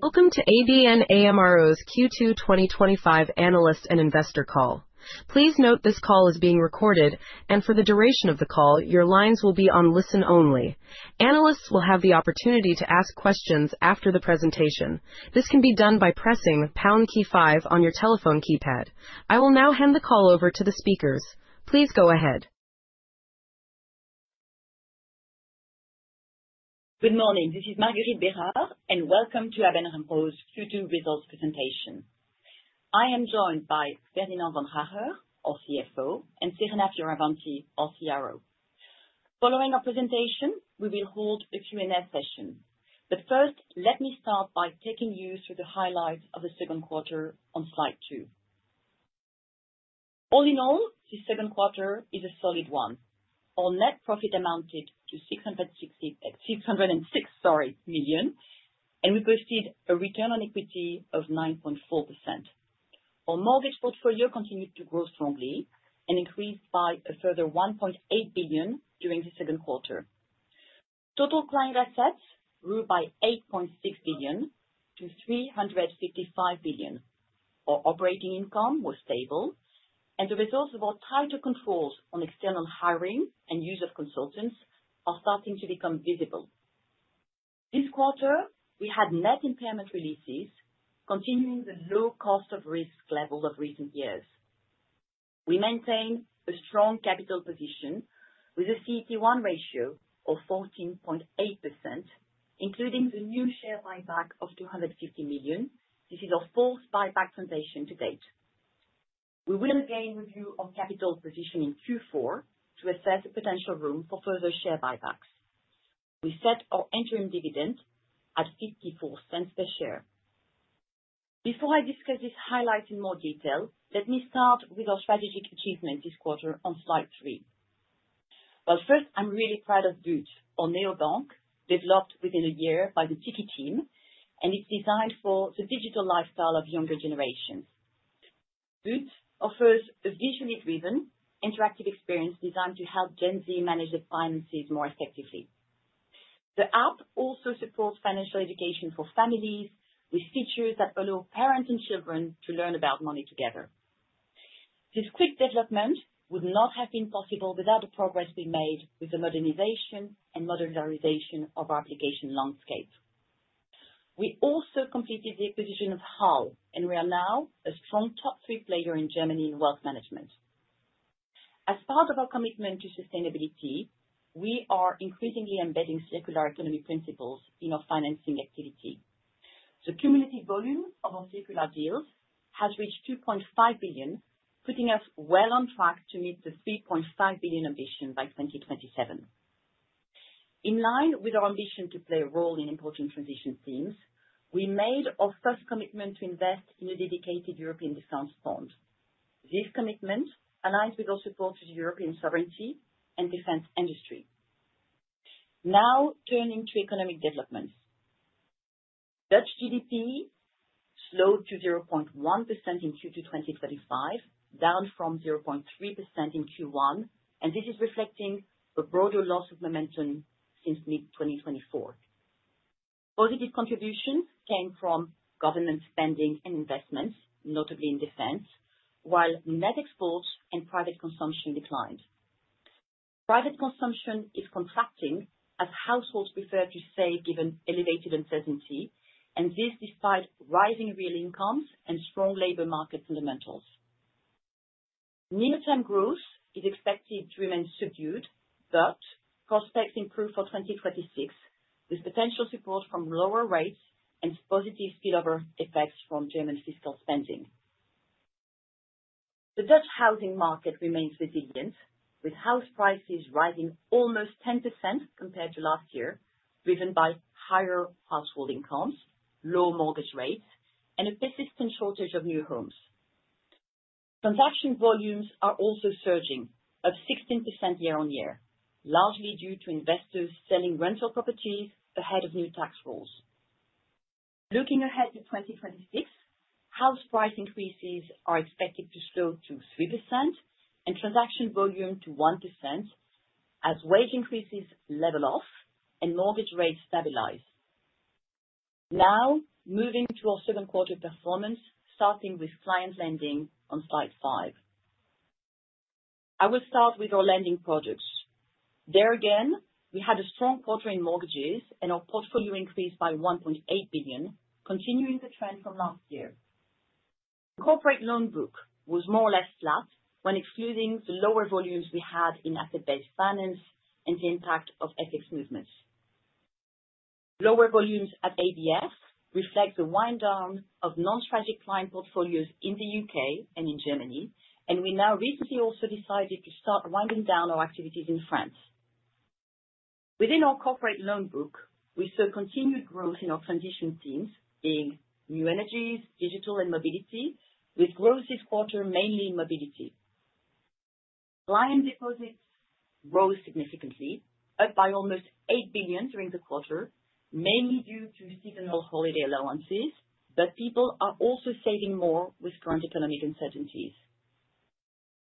Welcome to ABN AMRO's Q2 2025 analyst and investor call. Please note this call is being recorded, and for the duration of the call, your lines will be on listen only. Analysts will have the opportunity to ask questions after the presentation. This can be done by pressing the pound key five on your telephone keypad. I will now hand the call over to the speakers. Please go ahead. Good morning. This is Marguerite Bérard, and welcome to ABN AMRO's Q2 results presentation. I am joined by Ferdinand Vaandrager, our CFO, and Serena Fioravanti, our CRO. Following our presentation, we will hold a Q&A session. First, let me start by taking you through the highlights of the second quarter on slide two. All in all, the second quarter is a solid one. Our net profit amounted to 606 million, and we posted a return on equity of 9.4%. Our mortgage portfolio continued to grow strongly and increased by a further 1.8 billion during the second quarter. Total client assets grew by 8.6 billion to 355 billion. Our operating income was stable, and the results of our tighter controls on external hiring and use of consultants are starting to become visible. This quarter, we had net impairment releases, continuing the low cost of risk level of recent years. We maintain a strong capital position with a CET1 ratio of 14.8%, including the new share buyback of 250 million. This is our fourth buyback transaction to date. We will again review our capital position in Q4 to assess the potential room for further share buybacks. We set our interim dividend at 0.54 per share. Before I discuss these highlights in more detail, let me start with our strategic achievement this quarter on slide three. First, I'm really proud of BUUT, our neobank developed within a year by the Tikkie team, and it's designed for the digital lifestyle of younger generations. BUUT offers a visually driven, interactive experience designed to help Gen Z manage their finances more effectively. The app also supports financial education for families with features that allow parents and children to learn about money together. This quick development would not have been possible without the progress we made with the modernization and modularization of our application landscape. We also completed the acquisition of HAL, and we are now a strong top three player in Germany in wealth management. As part of our commitment to sustainability, we are increasingly embedding circular economy principles in our financing activity. The cumulative volume of our circular deals has reached 2.5 billion, putting us well on track to meet the 3.5 billion ambition by 2027. In line with our ambition to play a role in important transition themes, we made our first commitment to invest in a dedicated European Defense Fund. This commitment aligns with our support to the European sovereignty and defense industry. Now turning to economic developments, Dutch GDP slowed to 0.1% in Q2 2025, down from 0.3% in Q1, and this is reflecting a broader loss of momentum since mid-2024. Positive contributions came from government spending and investments, notably in defense, while net exports and private consumption declined. Private consumption is contracting as households prefer to save given elevated uncertainty, and this despite rising real incomes and strong labor market fundamentals. Nimitz and GROWS is expected to remain subdued, but prospects improve for 2026 with potential support from lower rates and positive spillover effects from German fiscal spending. The Dutch housing market remains resilient, with house prices rising almost 10% compared to last year, driven by higher household incomes, low mortgage rates, and a persistent shortage of new homes. Transaction volumes are also surging at 16% year-on-year, largely due to investors selling rental properties ahead of new tax rules. Looking ahead to 2026, house price increases are expected to slow to 3% and transaction volume to 1% as wage increases level off and mortgage rates stabilize. Now moving to our second quarter performance, starting with client lending on slide five. I will start with our lending products. There again, we had a strong quarter in mortgages and our portfolio increased by 1.8 billion, continuing the trend from last year. The corporate loan book was more or less flat when excluding the lower volumes we had in asset-based finance and the impact of FX movements. Lower volumes at ABF reflect the wind-down of non-traded client portfolios in the U.K. and in Germany, and we now recently also decided to start winding down our activities in France. Within our corporate loan book, we saw continued growth in our transition themes, being new energies, digital, and mobility, with growth this quarter mainly in mobility. Client deposits rose significantly, up by almost 8 billion during the quarter, mainly due to seasonal holiday allowances, but people are also saving more with current economic uncertainties.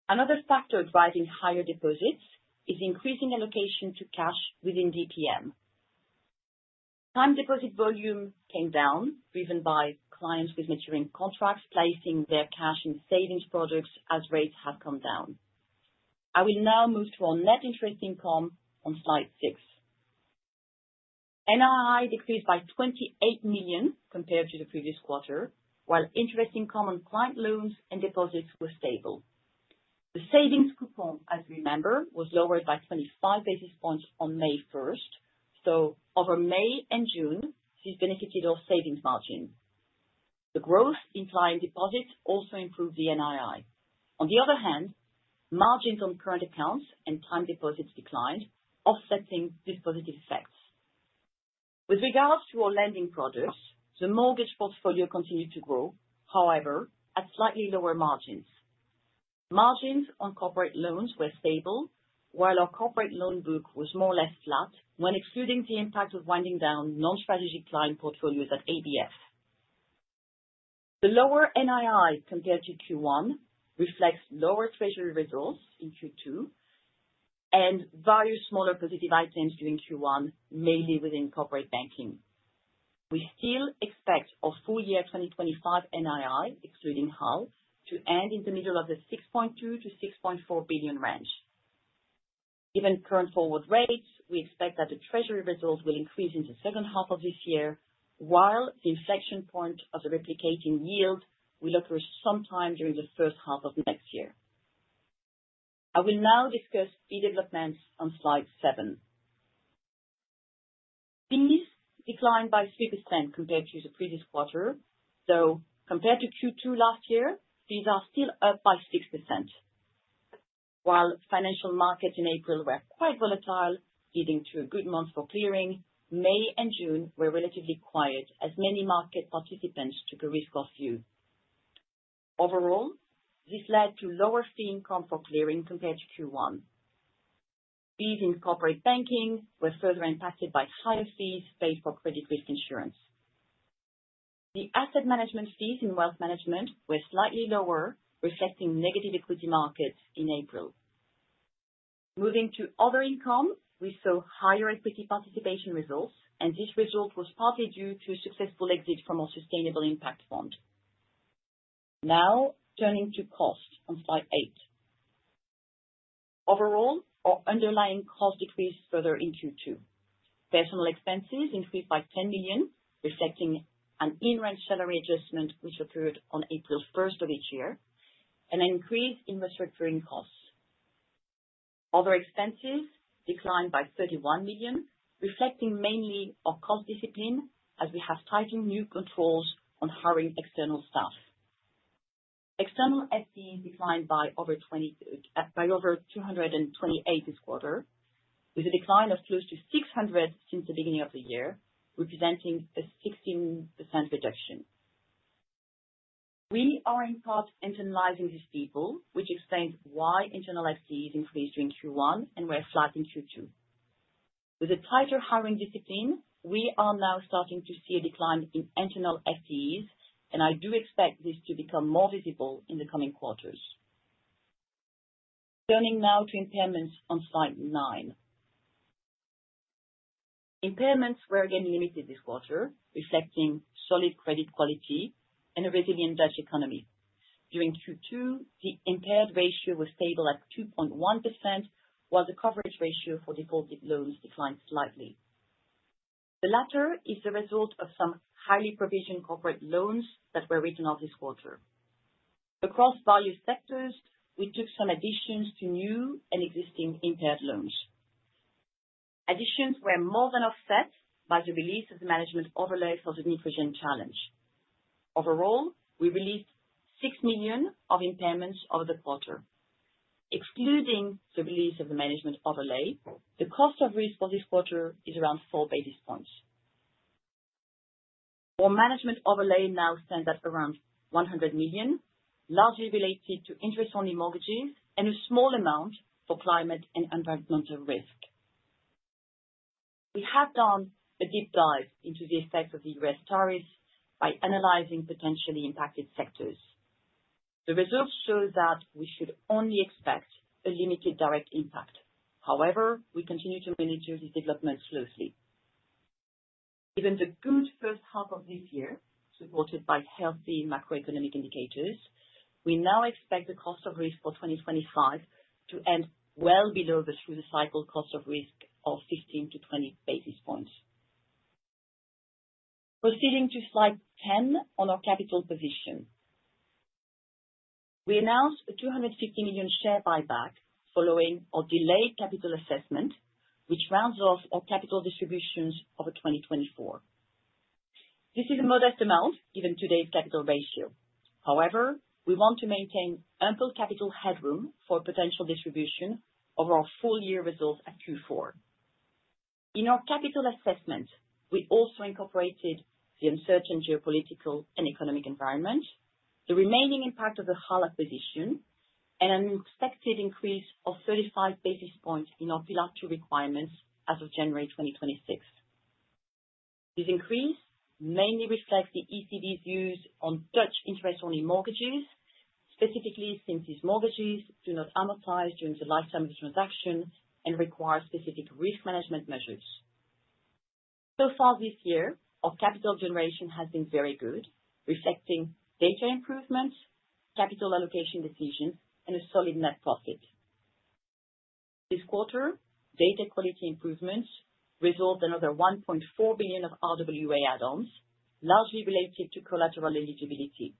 Another factor driving higher deposits is increasing allocation to cash within DPM. Time deposit volume came down, driven by clients with maturing contracts placing their cash in savings products as rates have come down. I will now move to our net interest income on slide six. NII decreased by 28 million compared to the previous quarter, while interest income on client loans and deposits was stable. The savings coupon, as we remember, was lowered by 25 basis points on May 1st, so over May and June, this benefited our savings margin. The growth in client deposits also improved the NII. On the other hand, margins on current accounts and time deposits declined, offsetting these positive effects. With regards to our lending products, the mortgage portfolio continued to grow, however, at slightly lower margins. Margins on corporate loans were stable, while our corporate loan book was more or less flat when excluding the impact of winding down non-strategic client portfolios at ABS. The lower NII compared to Q1 reflects lower treasury results in Q2 and various smaller positive items during Q1, mainly within corporate banking. We still expect our full year 2025 NII, excluding HAL, to end in the middle of the 6.2 billion-6.4 billion range. Given current forward rates, we expect that the treasury results will increase in the second half of this year, while the inflection point of the replicating yield will occur sometime during the first half of the next year. I will now discuss key developments on slide seven. Fees declined by 3% compared to the previous quarter, though compared to Q2 last year, these are still up by 6%. While financial markets in April were quite volatile, leading to a good month for clearing, May and June were relatively quiet as many market participants took a risk-off view. Overall, this led to lower fee income for clearing compared to Q1. Fees in corporate banking were further impacted by higher fees paid for credit risk insurance. The asset management fees in wealth management were slightly lower, reflecting negative equity markets in April. Moving to other income, we saw higher equity participation results, and this result was partly due to a successful exit from our sustainable impact fund. Now turning to cost on slide eight. Overall, our underlying cost decreased further in Q2. Personnel expenses increased by 10 million, reflecting an in-range salary adjustment which occurred on April 1st of each year, and an increase in restructuring costs. Other expenses declined by 31 million, reflecting mainly our cost discipline as we have tightened new controls on hiring external staff. External SCs declined by over 228 this quarter, with a decline of close to 600 since the beginning of the year, representing a 16% reduction. We are in part internalizing these people, which explains why internal SCs increased during Q1 and were flat in Q2. With a tighter hiring discipline, we are now starting to see a decline in internal SCs, and I do expect this to become more visible in the coming quarters. Turning now to impairments on slide nine. Impairments were again limited this quarter, reflecting solid credit quality and a resilient Dutch economy. During Q2, the impaired ratio was stable at 2.1%, while the coverage ratio for defaulted loans declined slightly. The latter is the result of some highly provisioned corporate loans that were written off this quarter. Across various sectors, we took some additions to new and existing impaired loans. Additions were more than offset by the release of the management overlay for the nutrition challenge. Overall, we released 6 million of impairments over the quarter. Excluding the release of the management overlay, the cost of risk for this quarter is around 4 basis points. Our management overlay now stands at around 100 million, largely related to interest-only mortgages and a small amount for climate and environmental risk. We have done a deep dive into the effects of the U.S. tariffs by analyzing potentially impacted sectors. The results show that we should only expect a limited direct impact. However, we continue to monitor these developments closely. Given the good first half of this year, supported by healthy macroeconomic indicators, we now expect the cost of risk for 2025 to end well below the through-the-cycle cost of risk of 15-20 basis points. Proceeding to slide 10 on our capital position. We announced a 250 million share buyback following our delayed capital assessment, which rounds off our capital distributions over 2024. This is a modest amount given today's capital ratio. However, we want to maintain ample capital headroom for potential distribution over our full year results at Q4. In our capital assessment, we also incorporated the uncertain geopolitical and economic environment, the remaining impact of the HAL acquisition, and an expected increase of 35 basis points in our Pillar 2 requirements as of January 2026. This increase mainly reflects the ECB's views on Dutch interest-only mortgages, specifically since these mortgages do not amortize during the lifetime of the transaction and require specific risk management measures. So far this year, our capital generation has been very good, reflecting data improvements, capital allocation decisions, and a solid net profit. This quarter, data quality improvements result in another 1.4 billion of RWA add-ons, largely related to collateral eligibility.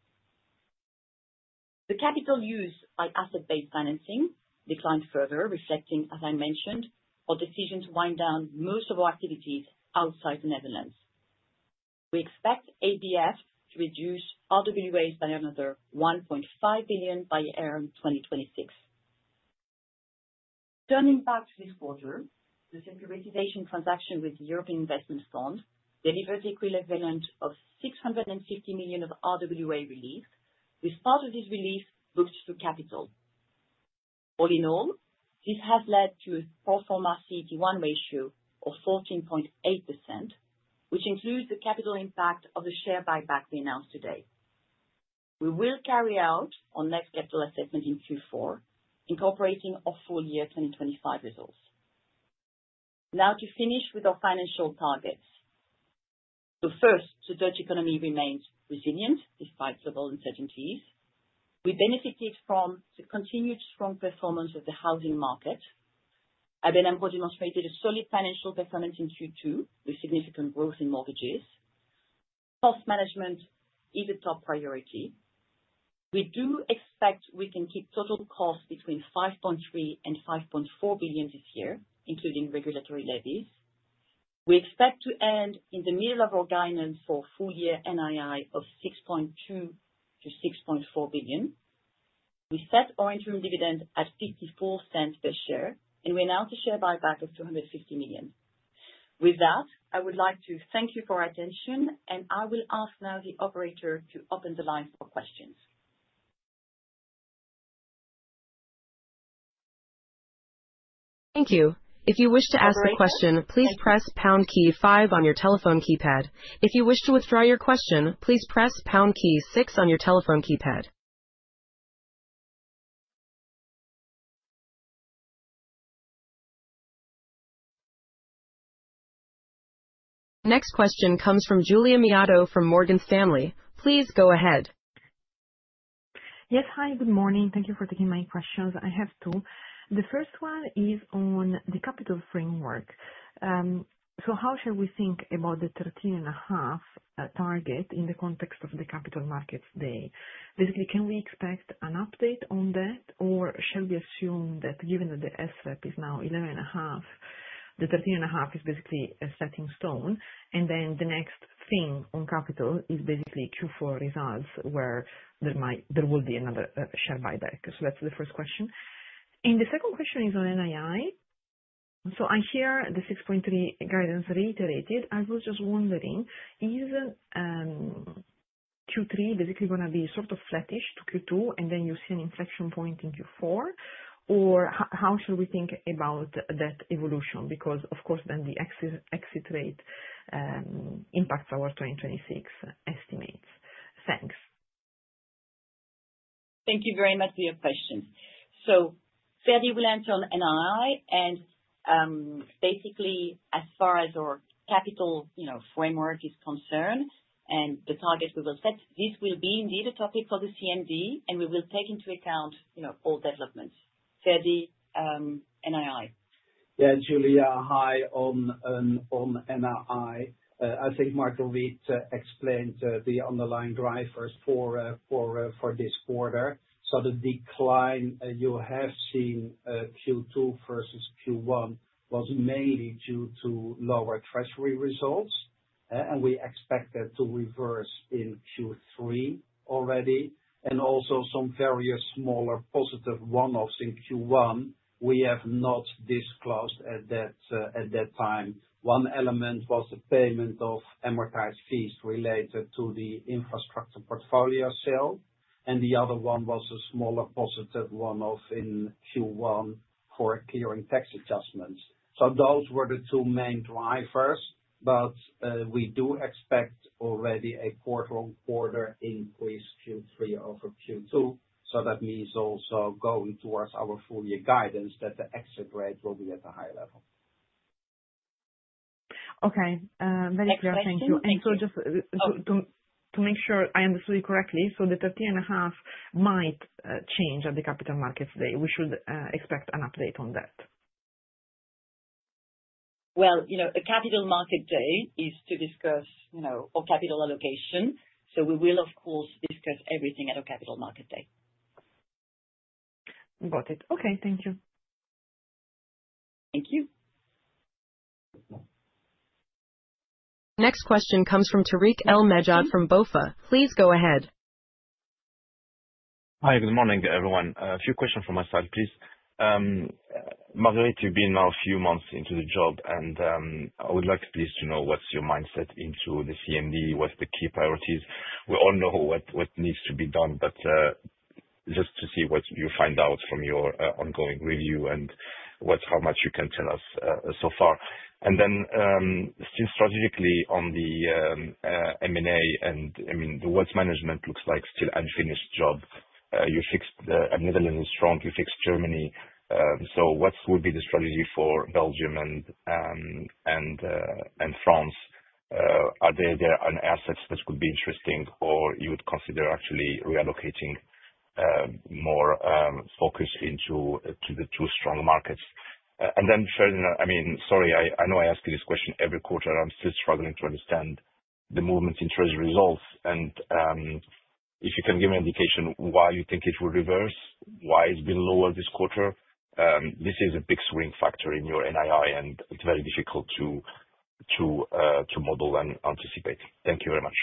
The capital used by asset-based financing declined further, reflecting, as I mentioned, our decision to wind down most of our activities outside the Netherlands. We expect asset-based financing to reduce RWAs by another 1.5 billion by year 2026. Turning back to this quarter, the securitization transaction with the European Investment Fund delivered the equivalent of 650 million of RWA released, with part of this release booked through capital. All in all, this has led to a pro forma CET1 ratio of 14.8%, which includes the capital impact of the share buyback we announced today. We will carry out our next capital assessment in Q4, incorporating our full year 2025 results. Now to finish with our financial targets. First, the Dutch economy remains resilient despite global uncertainties. We benefited from the continued strong performance of the housing market. ABN AMRO demonstrated a solid financial performance in Q2, with significant growth in mortgages. Cost management is a top priority. We do expect we can keep total costs between 5.3 billion and 5.4 billion this year, including regulatory levies. We expect to end in the middle of our guidance for a full year NII of 6.2 billion-6.4 billion. We set our interim dividend at 0.54 per share, and we announced a share buyback of 250 million. With that, I would like to thank you for your attention, and I will ask now the operator to open the lines for questions. Thank you. If you wish to ask a question, please press pound key five on your telephone keypad. If you wish to withdraw your question, please press pound key six on your telephone keypad. Next question comes from [Julia Miato] from Morgan Stanley. Please go ahead. Yes, hi, good morning. Thank you for taking my questions. I have two. The first one is on the capital framework. How shall we think about the 13.5% target in the context of the capital markets day? Basically, can we expect an update on that, or shall we assume that given that the SREP is now 11.5%, the 13.5% is basically a stepping stone? The next thing on capital is basically Q4 results, where there might, there will be another share buyback. That's the first question. The second question is on NII. I hear the 6.3% guidance reiterated. I was just wondering, isn't Q3 basically going to be sort of flattish to Q2, and then you see an inflection point in Q4? How shall we think about that evolution? Of course, then the exit rate impacts our 2026 estimates. Thanks. Thank you very much for your questions. Certainly, we'll answer on NII, and basically, as far as our capital framework is concerned and the targets we will set, this will be indeed a topic for the CMD, and we will take into account all developments. Certainly, NII. Yeah, Julia, hi on NII. I think Marguerite explained the underlying drivers for this quarter. The decline you have seen Q2 versus Q1 was mainly due to lower treasury results, and we expect that to reverse in Q3 already, and also some various smaller positive one-offs in Q1 we have not disclosed at that time. One element was the payment of amortized fees related to the infrastructure portfolio sale, and the other one was a smaller positive one-off in Q1 for clearing tax adjustments. Those were the two main drivers. We do expect already a quarter-on-quarter increase Q3 over Q2. That means also going towards our full year guidance that the exit rate will be at a higher level. Okay, very clear. Thank you. Just to make sure I understood it correctly, the 13.5% might change at the capital markets day. We should expect an update on that. A capital market day is to discuss our capital allocation. We will, of course, discuss everything at our capital market day. Got it. Okay, thank you. Thank you. Next question comes from Tarik El Mejjad from BofA. Please go ahead. Hi, good morning, everyone. A few questions from my side, please. Marguerite, you've been now a few months into the job, and I would like to know what's your mindset into the CMD, what's the key priorities. We all know what needs to be done, just to see what you find out from your ongoing review and how much you can tell us so far. Since strategically on the M&A, I mean, what's management looks like still unfinished job? You fixed the Netherlands is strong, you fixed Germany. What would be the strategy for Belgium and France? Are there any assets that would be interesting, or would you consider actually reallocating more focus into the two strong markets? I know I ask you this question every quarter. I'm still struggling to understand the movement in treasury results. If you can give an indication why you think it will reverse, why it's been lower this quarter, this is a big swing factor in your NII, and it's very difficult to model and anticipate. Thank you very much.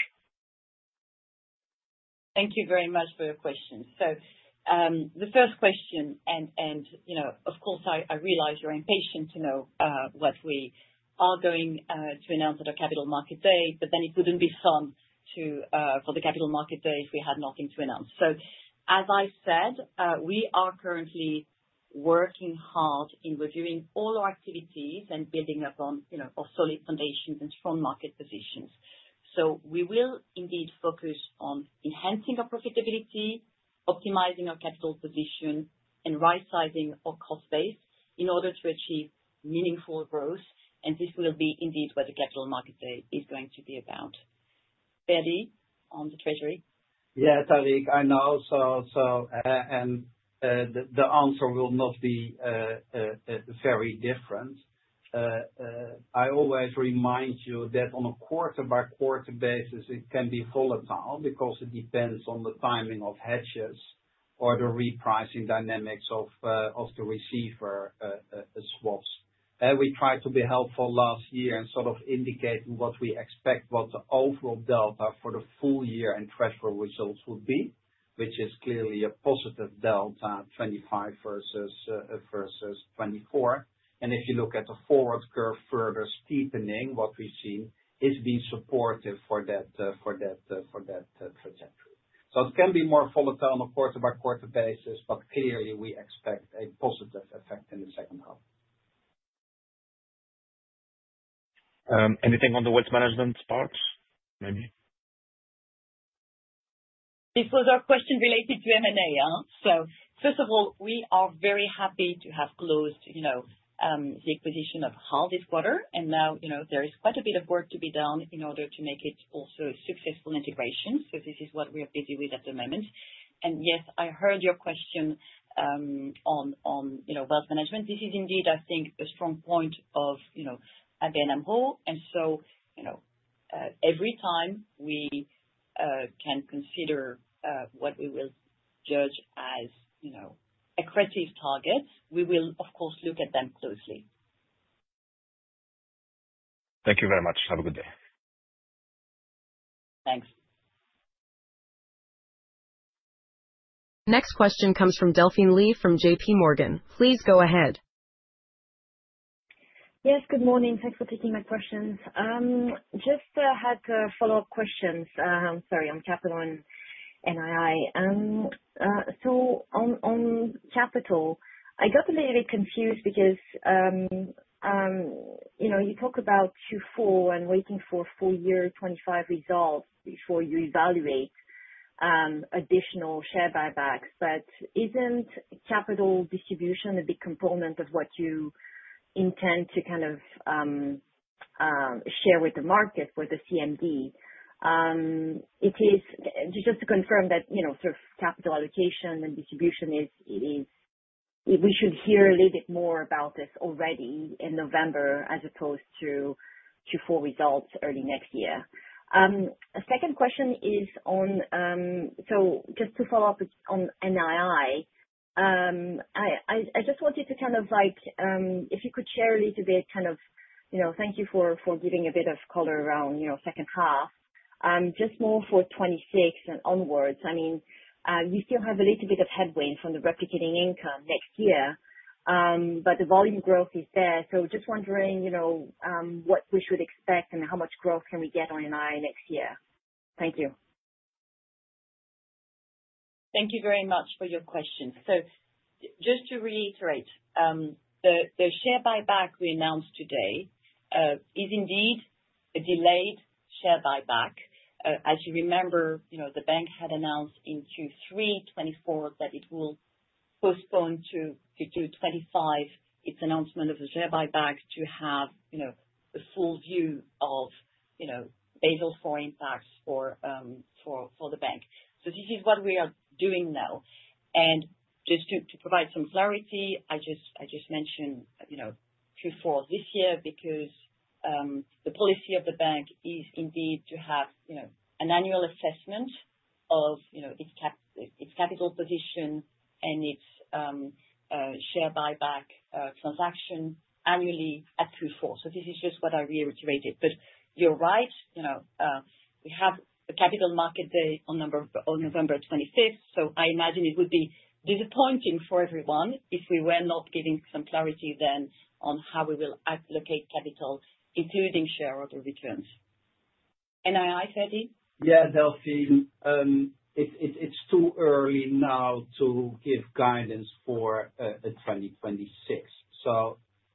Thank you very much for your question. The first question, and you know, of course, I realize you're impatient to know what we are going to announce at our capital market day, but it wouldn't be fun for the capital market day if we had nothing to announce. As I said, we are currently working hard in reviewing all our activities and building upon our solid foundations and strong market positions. We will indeed focus on enhancing our profitability, optimizing our capital position, and right-sizing our cost base in order to achieve meaningful growth. This will be indeed what the capital market day is going to be about. Barry, on the treasury. Yeah, Tarik, I know. The answer will not be very different. I always remind you that on a quarter-by-quarter basis, it can be volatile because it depends on the timing of hedges or the repricing dynamics of the receiver swaps. We tried to be helpful last year and sort of indicate what we expect, what the overall delta for the full year and treasury results would be, which is clearly a positive delta, 2025 versus 2024. If you look at the forward curve, further steepening, what we've seen is being supportive for that trajectory. It can be more volatile on a quarter-by-quarter basis, but clearly, we expect a positive effect in the second half. Anything on the wealth management part, maybe? It was a question related to M&A. First of all, we are very happy to have closed the acquisition of HAL this quarter. There is quite a bit of work to be done in order to make it also a successful integration. This is what we are busy with at the moment. I heard your question on wealth management. This is indeed, I think, a strong point of ABN AMRO. Every time we can consider what we will judge as aggressive targets, we will, of course, look at them closely. Thank you very much. Have a good day. Thanks. Next question comes from Delphine Lee from JPMorgan. Please go ahead. Yes, good morning. Thanks for taking my questions. I just had follow-up questions, sorry, on capital and NII. On capital, I got a little bit confused because you talk about Q4 and waiting for full year 2025 results before you evaluate additional share buybacks. Isn't capital distribution a big component of what you intend to kind of share with the market for the CMD? It is just to confirm that, you know, sort of capital allocation and distribution is, if we should hear a little bit more about this already in November as opposed to Q4 results early next year. A second question is on, just to follow up on NII, I just wanted to kind of like, if you could share a little bit, you know, thank you for giving a bit of color around your second half, just more for 2026 and onwards. I mean, you still have a little bit of headwind from the replicating income next year, but the volume growth is there. Just wondering what we should expect and how much growth can we get on NII next year. Thank you. Thank you very much for your question. Just to reiterate, the share buyback we announced today is indeed a delayed share buyback. As you remember, the bank had announced in Q3 2024, but it will postpone to Q2 2025 its announcement of the share buybacks to have a full view of Basel IV impacts for the bank. This is what we are doing now. Just to provide some clarity, I mentioned Q4 this year because the policy of the bank is indeed to have an annual assessment of its capital position and its share buyback transaction annually at Q4. This is just what I reiterated. You're right, we have a Capital Market Day on November 25th. I imagine it would be disappointing for everyone if we were not giving some clarity then on how we will allocate capital, including shareholder returns. NII, Sergi? Delphine, it's too early now to give guidance for 2026.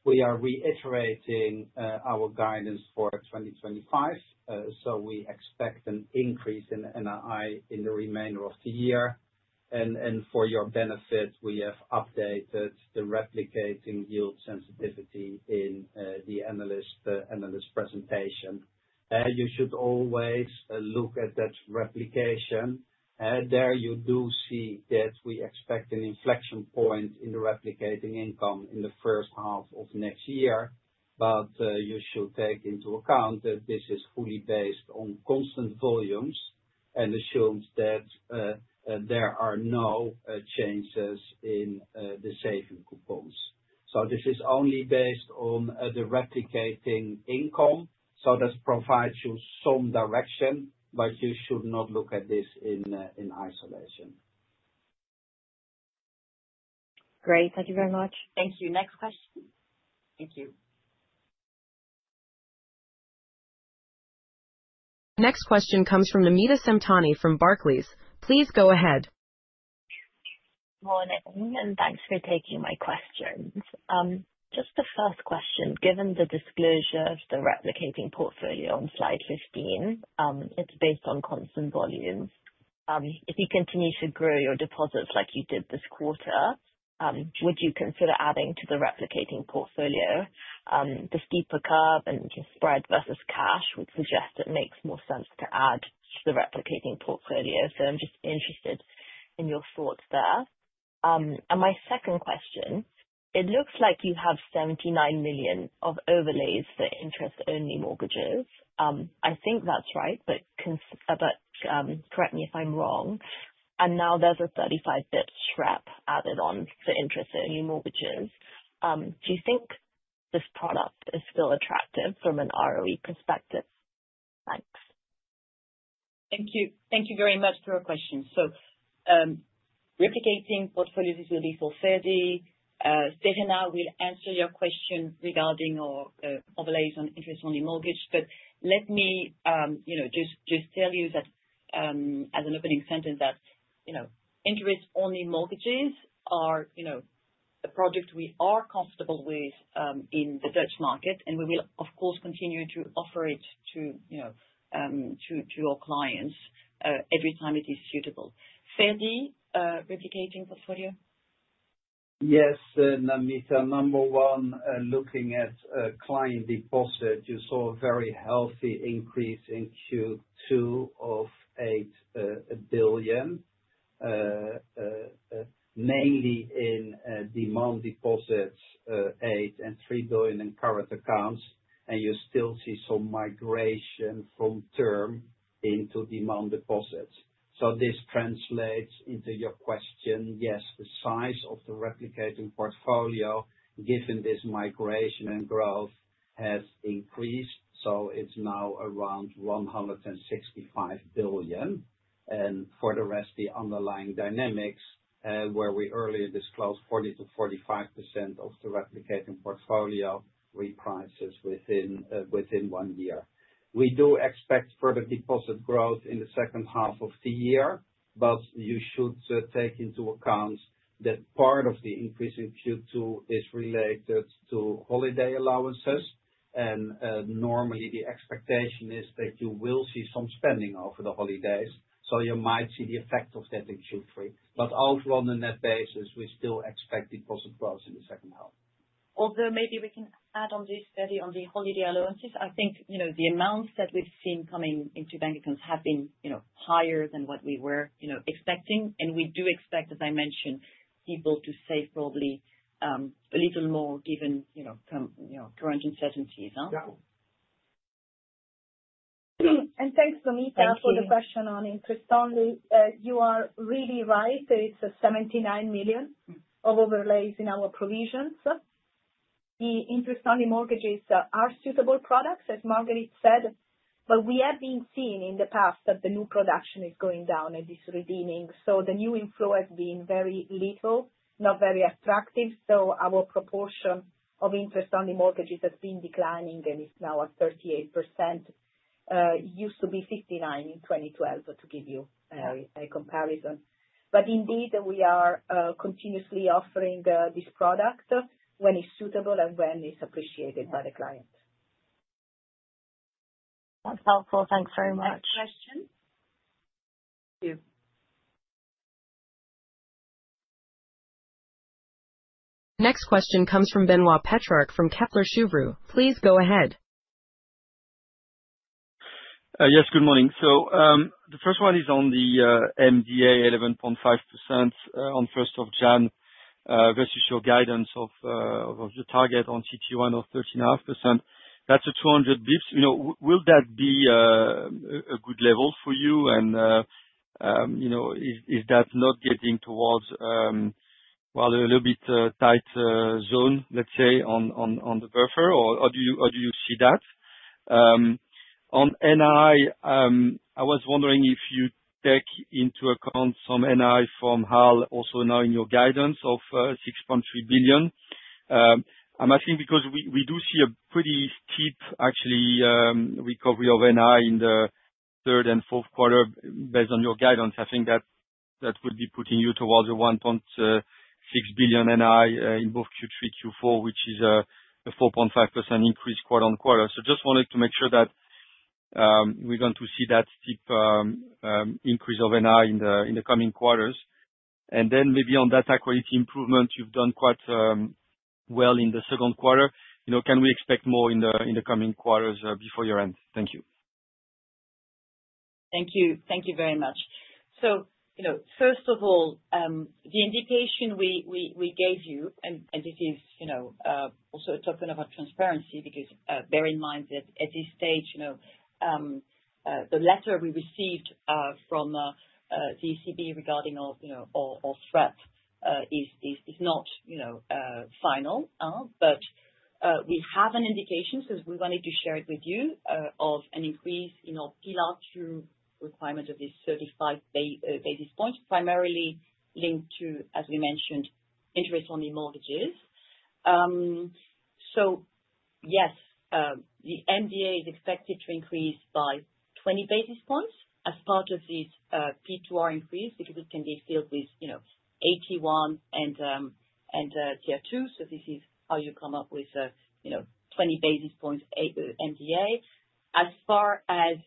We are reiterating our guidance for 2025. We expect an increase in NII in the remainder of the year. For your benefit, we have updated the replicating yield sensitivity in the analyst presentation. You should always look at that replication. There you do see that we expect an inflection point in the replicating income in the first half of next year. You should take into account that this is fully based on constant volumes and assumes that there are no changes in the saving coupons. This is only based on the replicating income. That provides you some direction, but you should not look at this in isolation. Great. Thank you very much. Thank you. Next question. Thank you. Next question comes from Namita Samtani from Barclays. Please go ahead. Morning, everyone, and thanks for taking my questions. Just the first question, given the disclosure of the replicating portfolio on slide 15, it's based on constant volumes. If you continue to grow your deposits like you did this quarter, would you consider adding to the replicating portfolio? The steeper curve and just spread versus cash would suggest it makes more sense to add to the replicating portfolio. I'm just interested in your thoughts there. My second question, it looks like you have 79 million of overlays for interest-only mortgages. I think that's right, but correct me if I'm wrong. Now there's a 35 basis points SREP added on for interest-only mortgages. Do you think this product is still attractive from an ROE perspective? Thanks. Thank you. Thank you very much for your question. Replicating portfolios will be for 30. Serena will answer your question regarding our overlays on interest-only mortgage. Let me just tell you as an opening sentence that interest-only mortgages are a product we are comfortable with in the Dutch market. We will, of course, continue to offer it to our clients every time it is suitable. Sergi, replicating portfolio? Yes, Annemieke. Number one, looking at client deposits, you saw a very healthy increase in Q2 of 8 billion, mainly in demand deposits, 8 billion and 3 billion in current accounts. You still see some migration from term into demand deposits. This translates into your question, yes, the size of the replicating portfolio, given this migration and growth, has increased. It's now around 165 billion. For the rest, the underlying dynamics, where we earlier disclosed 40%-45% of the replicating portfolio reprices within one year. We do expect further deposit growth in the second half of the year. You should take into account that part of the increase in Q2 is related to holiday allowances. Normally, the expectation is that you will see some spending over the holidays. You might see the effect of that in Q3. Also, on the net basis, we still expect deposit growth in the second half. Although maybe we can add on this, Sergi, on the holiday allowances. I think the amounts that we've seen coming into bank accounts have been higher than what we were expecting. We do expect, as I mentioned, people to save probably a little more given current uncertainties. Thank you, Namita, for the question on interest-only. You are really right. It's 79 million of overlays in our provisions. The interest-only mortgages are suitable products, as Marguerite said, but we have been seeing in the past that the new production is going down and disredeeming. The new inflow has been very little, not very attractive. Our proportion of interest-only mortgages has been declining and is now at 38%. It used to be 59% in 2012, to give you a comparison. We are continuously offering this product when it's suitable and when it's appreciated by the client. That's helpful. Thanks very much. Next question comes from Benoît Pétrarque from Kepler Cheuvreux. Please go ahead. Yes, good morning. The first one is on the MDA 11.5% on January 1 versus your guidance of your target on CET1 of 13.5%. That's a 200 basis points. Will that be a good level for you? Is that not getting towards, a little bit tight zone, let's say, on the buffer, or do you see that? On NII, I was wondering if you take into account some NII from HAL also now in your guidance of 6.3 billion. I'm asking because we do see a pretty steep, actually, recovery of NII in the third and fourth quarter based on your guidance. I think that would be putting you towards a 1.6 billion NII in both Q3 and Q4, which is a 4.5% increase quarter-on-quarter. I just wanted to make sure that we're going to see that steep increase of NII in the coming quarters. Maybe on that accuracy improvement, you've done quite well in the second quarter. Can we expect more in the coming quarters before year end? Thank you. Thank you. Thank you very much. First of all, the indication we gave you, and it is also a token of our transparency because bear in mind that at this stage, the letter we received from the ECB regarding our SREP is not final. We have an indication, so we wanted to share it with you, of an increase in our Pillar 2 requirements of this 35 basis points, primarily linked to, as we mentioned, interest-only mortgages. Yes, the MDA is expected to increase by 20 basis points as part of this P2R increase because it can be filled with AT1 and Tier 2. This is how you come up with 20 basis points MDA. As far as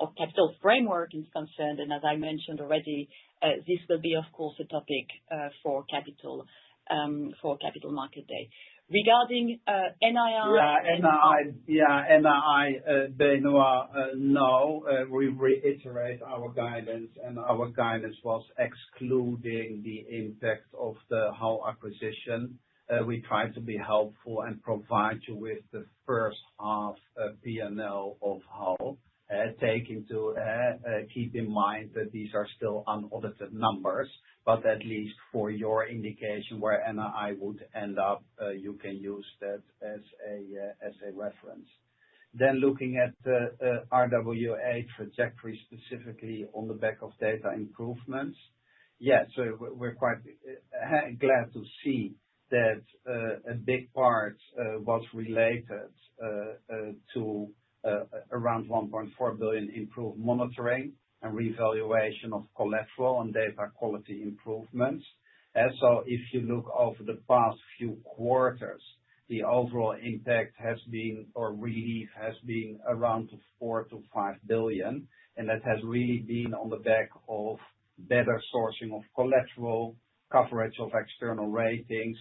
our capital framework is concerned, and as I mentioned already, this will be a topic for Capital Market Day. Regarding NII. Yeah, NII, Benoît, no. We reiterate our guidance, and our guidance was excluding the impact of the HAL acquisition. We try to be helpful and provide you with the first half P&L of HAL, taking to keep in mind that these are still unaudited numbers. At least for your indication where NII would end up, you can use that as a reference. Looking at the RWA trajectory, specifically on the back of data improvements, we're quite glad to see that a big part was related to around 1.4 billion improved monitoring and reevaluation of collateral and data quality improvements. If you look over the past few quarters, the overall impact has been, or relief has been, around 4 billion-5 billion. That has really been on the back of better sourcing of collateral, coverage of external ratings,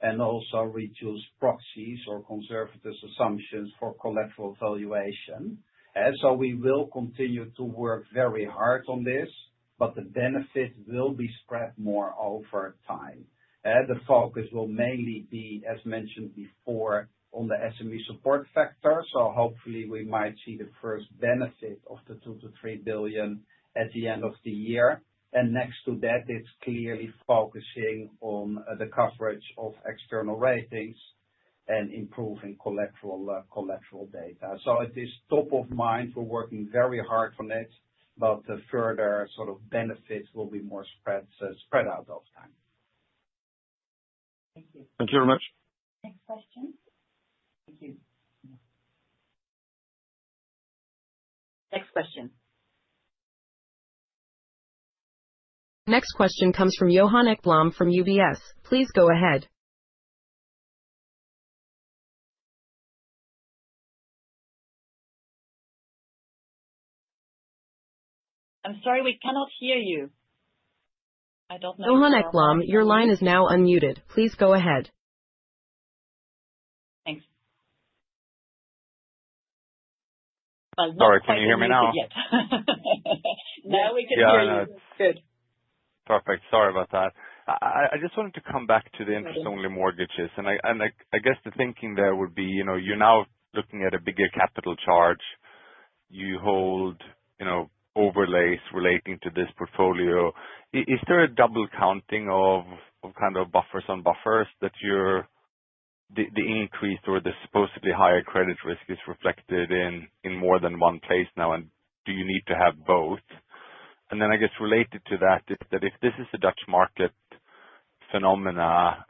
and also reduced proxies or conservative assumptions for collateral valuation. We will continue to work very hard on this, but the benefits will be spread more over time. The focus will mainly be, as mentioned before, on the SME support factor. Hopefully, we might see the first benefit of the 2 billion-3 billion at the end of the year. Next to that is clearly focusing on the coverage of external ratings and improving collateral data. It is top of mind. We're working very hard on it, but the further sort of benefits will be more spread out over time. Thank you very much. Next question. Next question comes from Johan Ekblom from UBS. Please go ahead. I'm sorry, we cannot hear you. Johan Ekblom, your line is now unmuted. Please go ahead. Thanks. Sorry, can you hear me now? Yes, now we can hear you. Good. Perfect. Sorry about that. I just wanted to come back to the interest-only mortgages. I guess the thinking there would be, you know, you're now looking at a bigger capital charge. You hold overlays relating to this portfolio. Is there a double counting of kind of buffers on buffers that the increased or the supposedly higher credit risk is reflected in more than one place now? Do you need to have both? I guess related to that, if this is a Dutch market phenomena,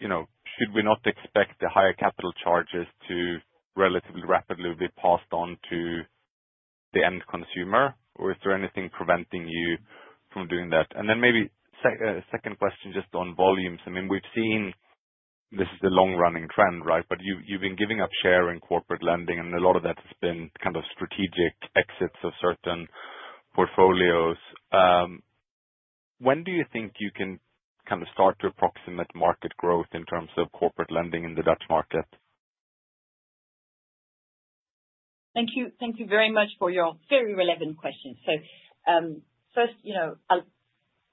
should we not expect the higher capital charges to relatively rapidly be passed on to the end consumer? Is there anything preventing you from doing that? Maybe a second question just on volumes. I mean, we've seen this is a long-running trend, right? You've been giving up share in corporate lending, and a lot of that has been kind of strategic exits of certain portfolios. When do you think you can kind of start to approximate market growth in terms of corporate lending in the Dutch market? Thank you. Thank you very much for your very relevant question. First, I'll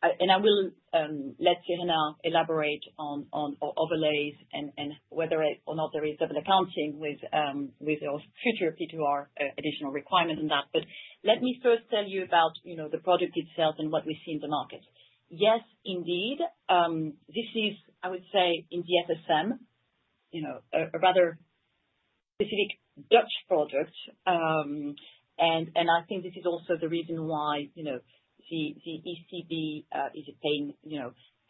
let Serena elaborate on overlays and whether or not there is double accounting with your future P2R additional requirements and that. Let me first tell you about the product itself and what we see in the market. Yes, indeed. This is, I would say, in the FSM, a rather specific Dutch product. I think this is also the reason why the ECB is paying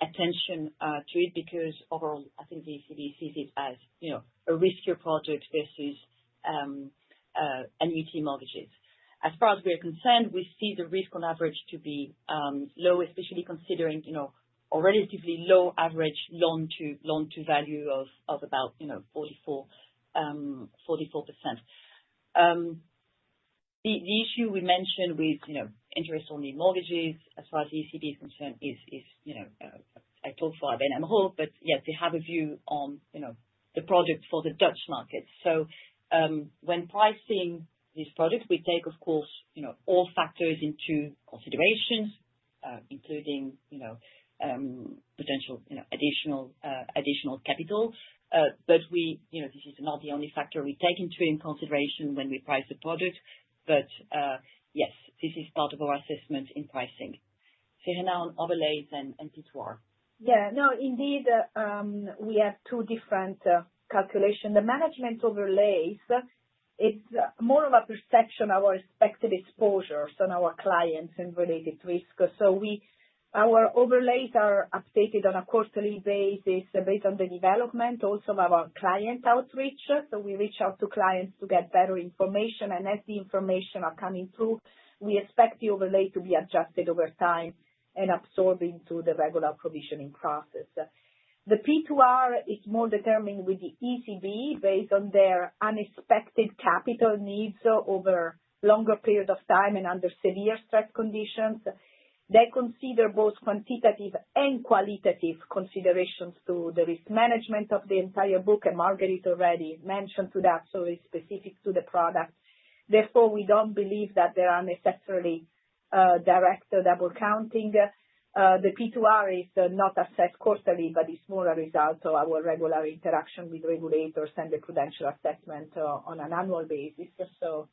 attention to it because overall, I think the ECB sees it as a riskier product versus annuity mortgages. As far as we are concerned, we see the risk on average to be low, especially considering a relatively low average loan-to-value of about 44%. The issue we mentioned with interest-only mortgages, as far as the ECB is concerned, is, I talked for ABN AMRO, but yes, they have a view on the product for the Dutch market. When pricing these products, we take, of course, all factors into consideration, including potential additional capital. This is not the only factor we take into consideration when we price the product. Yes, this is part of our assessment in pricing. Serena, on overlays and P2R. Yeah, no, indeed, we have two different calculations. The management overlays, it's more of a perception of our expected exposures on our clients and related risks. Our overlays are updated on a quarterly basis based on the development also of our client outreach. We reach out to clients to get better information. As the information are coming through, we expect the overlay to be adjusted over time and absorbed into the regular provisioning process. The P2R is more determined with the ECB based on their unexpected capital needs over a longer period of time and under severe stress conditions. They consider both quantitative and qualitative considerations to the risk management of the entire book. Marguerite already mentioned to that. It's specific to the product. Therefore, we don't believe that there are necessarily direct double counting. The P2R is not assessed quarterly, it's more a result of our regular interaction with regulators and the prudential assessment on an annual basis. This will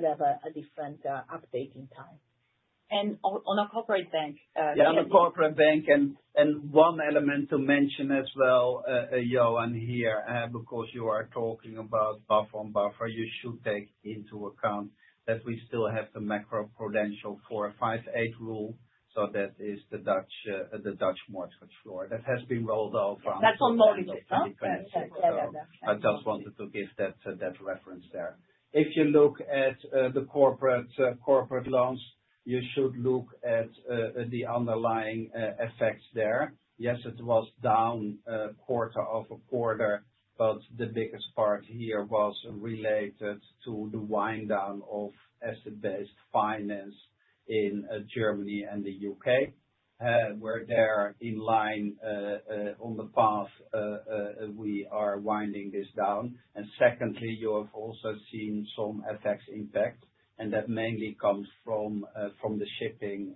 have a different update in time. On a corporate bank. Yeah, on a corporate bank. One element to mention as well, Johan, here, because you are talking about buffer on buffer, you should take into account that we still have the macroprudential 4.58% rule. That is the Dutch mortgage floor. That has been rolled off. That's on mortgages. I just wanted to give that reference there. If you look at the corporate loans, you should look at the underlying effects there. Yes, it was down quarter over quarter, but the biggest part here was related to the wind-down of asset-based finance in Germany and the U.K. We are there in line on the path. We are winding this down. You have also seen some FX impact, and that mainly comes from the shipping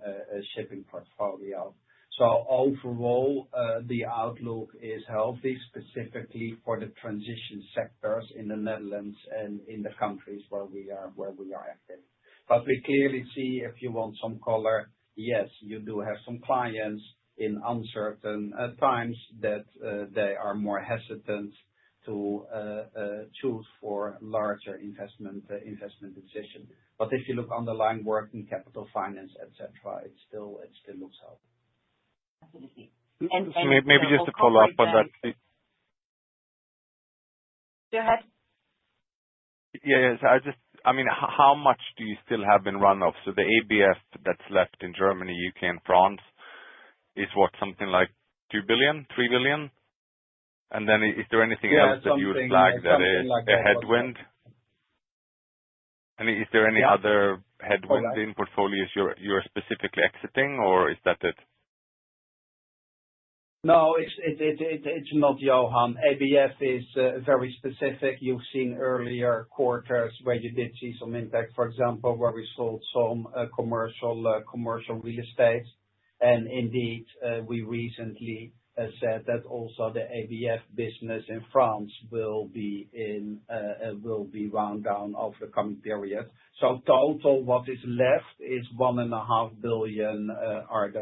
portfolio. Overall, the outlook is healthy, specifically for the transition sectors in the Netherlands and in the countries where we are active. We clearly see, if you want some color, yes, you do have some clients in uncertain times that they are more hesitant to choose for larger investment decisions. If you look underlying working capital finance, etc., it still looks healthy. Definitely. Maybe just to follow up on that. Go ahead. Yeah, I just, I mean, how much do you still have in run-off? The asset-based finance that's left in Germany, U.K., and France is what, something like 2 billion, 3 billion? Is there anything else that you would flag that is a headwind? Is there any other headwind in portfolios you're specifically exiting, or is that it? No, it's not, Johan. ABF is very specific. You've seen earlier quarters where you did see some impact, for example, where we sold some commercial real estate. Indeed, we recently said that also the ABF business in France will be wound down over the coming period. In total, what is left is 1.5 billion RWA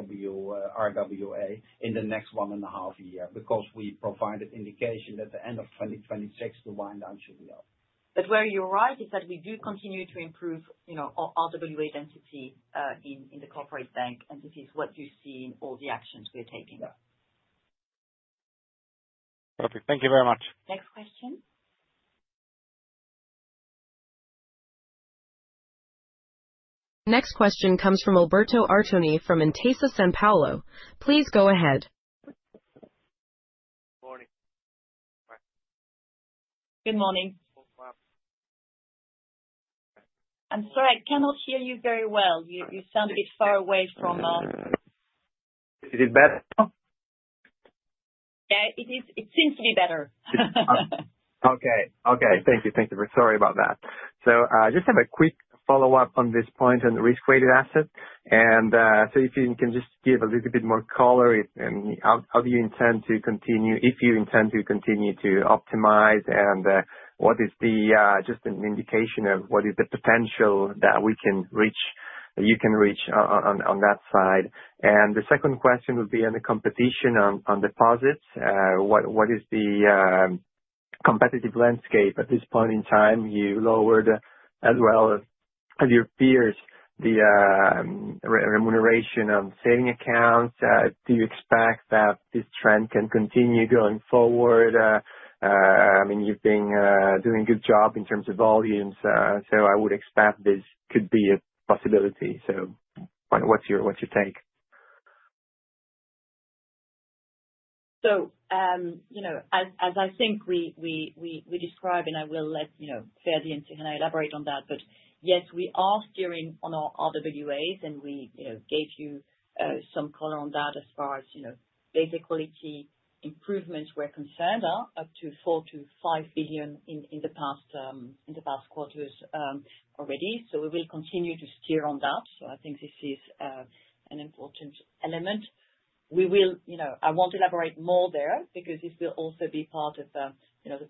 in the next one and a half years because we provide an indication that at the end of 2026, the wind-down should be over. You're right that we do continue to improve our RWA density in the corporate bank. This is what you see in all the actions we're taking. Perfect. Thank you very much. Next question. Next question comes from Alberto Artoni from Intesa Sanpaolo. Please go ahead. Morning. Good morning. I'm sorry, I cannot hear you very well. You sound a bit far away from us. Is it better? Yeah, it seems to be better. Thank you. Sorry about that. I just have a quick follow-up on this point on the risk-weighted asset. If you can just give a little bit more color, how do you intend to continue, if you intend to continue to optimize, and what is just an indication of what is the potential that we can reach, you can reach on that side? The second question would be on the competition on deposits. What is the competitive landscape at this point in time? You lowered as well as your peers the remuneration on saving accounts. Do you expect that this trend can continue going forward? I mean, you've been doing a good job in terms of volumes. I would expect this could be a possibility. What's your take? As I think we described, and I will let Sergi and Serena elaborate on that, yes, we are steering on our RWAs, and we gave you some color on that as far as basic quality improvements were concerned, up to 4 billion-5 billion in the past quarters already. We will continue to steer on that. I think this is an important element. I won't elaborate more there because this will also be part of the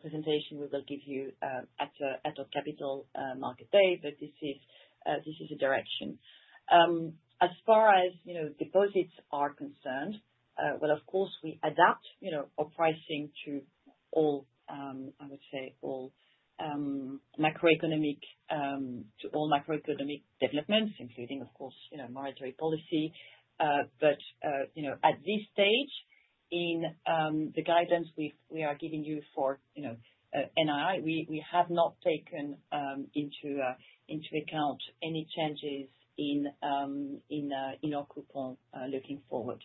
presentation we will give you at our capital market day. This is a direction. As far as deposits are concerned, of course, we adapt our pricing to all macroeconomic developments, including, of course, monetary policy. At this stage in the guidance we are giving you for NII, we have not taken into account any changes in our coupon looking forward.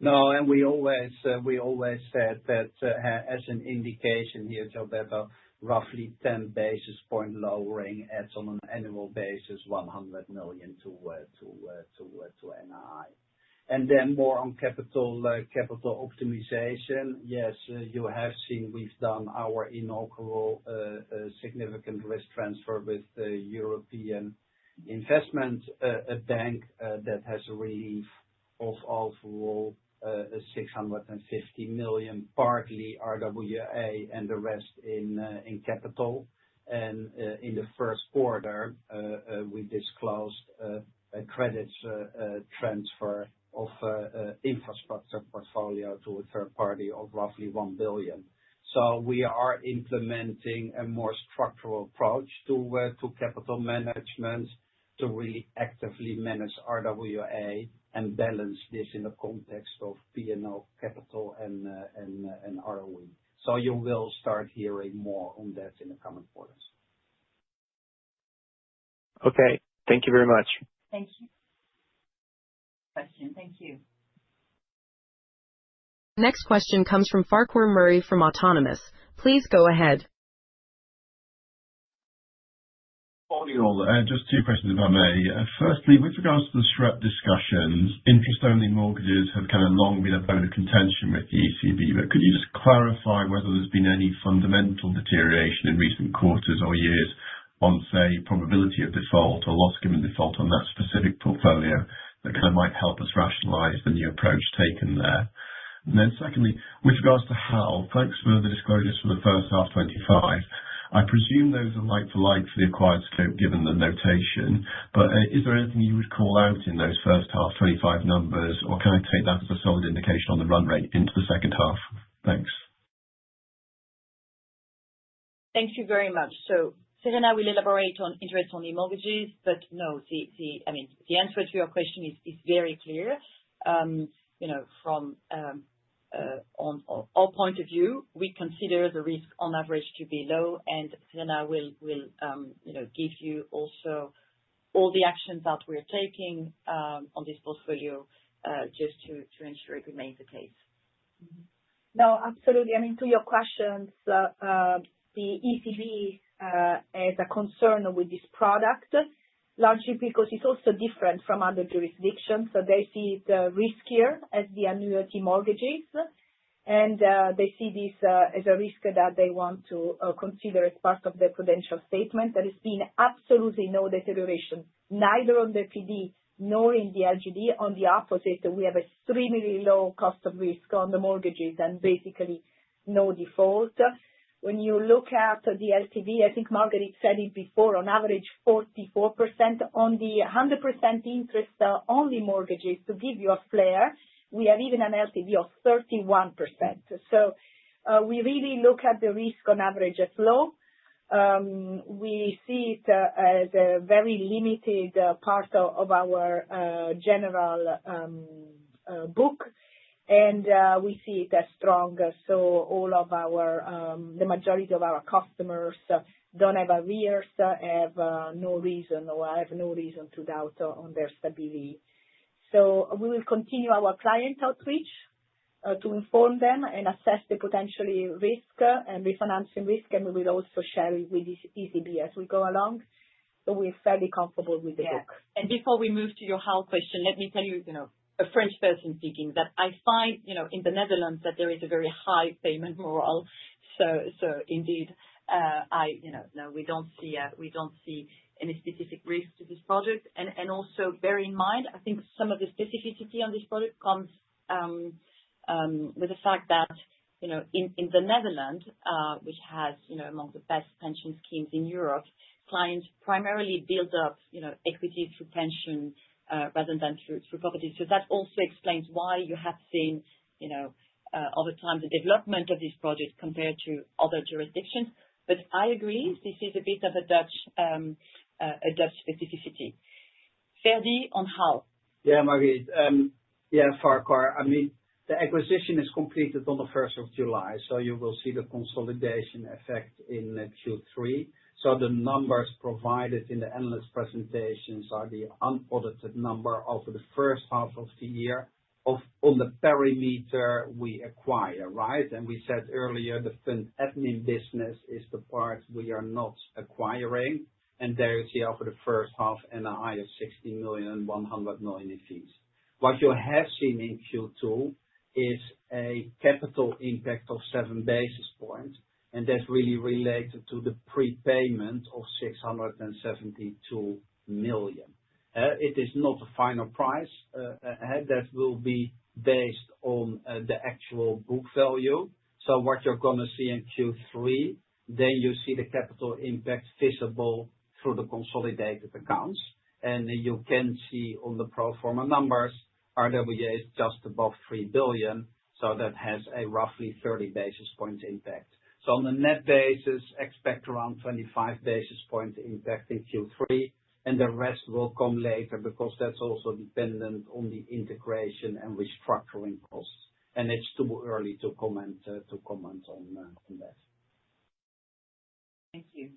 No. We always said that as an indication here, Joe, that a roughly 10 basis points lowering, on an annual basis, is 100 million to NII. More on capital optimization, you have seen we've done our inaugural significant risk transfer with the European Investment Bank that has a relief of overall 650 million, partly RWA and the rest in capital. In the first quarter, we disclosed a credit transfer of infrastructure portfolio to a third party of roughly 1 billion. We are implementing a more structural approach to capital management to really actively manage RWA and balance this in the context of P&L, capital, and ROE. You will start hearing more on that in the coming quarters. Okay, thank you very much. Thank you. Next question comes from Farquhar Murray from Autonomous. Please go ahead. Morning all. Just two questions, if I may. Firstly, with regards to the SREP discussions, interest-only mortgages have kind of long been a bone of contention with the ECB. Could you just clarify whether there's been any fundamental deterioration in recent quarters or years on, say, probability of default or loss given default on that specific portfolio that might help us rationalize the new approach taken there? Secondly, with regards to HAL, thanks for the disclosures for the first half 2025. I presume those are like-for-like for the acquired scope, given the notation. Is there anything you would call out in those first half 2025 numbers, or can I take that as a solid indication on the run rate into the second half? Thanks. Thank you very much. Serena will elaborate on interest-only mortgages. The answer to your question is very clear. From our point of view, we consider the risk on average to be low. Serena will give you also all the actions that we're taking on this portfolio just to ensure it remains the case. No, absolutely. I mean, to your question, the ECB has a concern with this product, largely because it's also different from other jurisdictions. They see it riskier as the annuity mortgages, and they see this as a risk that they want to consider as part of their prudential statement. There has been absolutely no deterioration, neither on the FD nor in the LGD. On the opposite, we have extremely low cost of risk on the mortgages and basically no default. When you look at the LTV, I think Marguerite said it before, on average, 44%. On the 100% interest-only mortgages, to give you a flair, we have even an LTV of 31%. We really look at the risk on average as low. We see it as a very limited part of our general book, and we see it as strong. All of our, the majority of our customers don't have a reason, have no reason, or have no reason to doubt on their stability. We will continue our client outreach to inform them and assess the potential risk and refinancing risk. We will also share it with the ECB as we go along. We're fairly comfortable with the book. Before we move to your HAL question, let me tell you, as a French person speaking, that I find in the Netherlands that there is a very high payment morale. Indeed, we don't see any specific risk to this product. Also, bear in mind, I think some of the specificity on this product comes with the fact that in the Netherlands, which has among the best pension schemes in Europe, clients primarily build up equities through pension rather than through property. That also explains why you have seen, over time, the development of these products compared to other jurisdictions. I agree, this is a bit of a Dutch specificity. Sergi on HAL. Marguerite, the acquisition is completed on the 1st of July. You will see the consolidation effect in Q3. The numbers provided in the analyst presentations are the unaudited number over the first half of the year on the perimeter we acquire, right? As we said earlier, the fund admin business is the part we are not acquiring. Over the first half, NII is 60 million and 100 million in fees. What you have seen in Q2 is a capital impact of 7 basis points. That is really related to the prepayment of 672 million. It is not a final price. That will be based on the actual book value. What you are going to see in Q3, you see the capital impact visible through the consolidated accounts. You can see on the pro forma numbers, RWA is just above 3 billion. That has a roughly 30 basis points impact. On the net basis, expect around 25 basis points impact in Q3. The rest will come later because that is also dependent on the integration and restructuring costs. It is too early to comment on that. Thank you.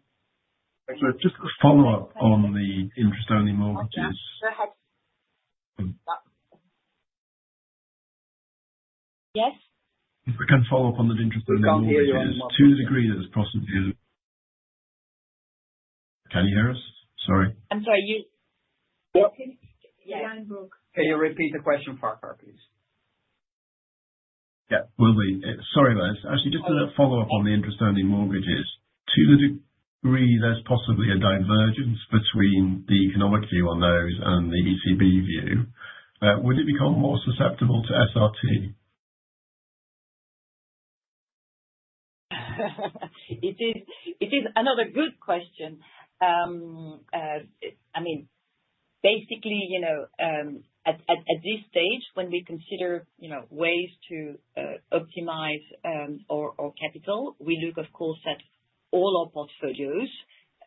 Just a follow-up on the interest-only mortgages. Yes. If we can follow up on that interest-only mortgage, to the degree that it's possible, can you hear us? Sorry. I'm sorry. You. Yeah. Can you repeat the question, Farquhar, please? Sorry about this. Actually, just a follow-up on the interest-only mortgages. To the degree there's possibly a divergence between the economic view on those and the ECB view, would it become more susceptible to SRT? It is another good question. Basically, at this stage, when we consider ways to optimize our capital, we look, of course, at all our portfolios